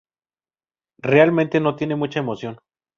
Realmente no tienen mucha emoción.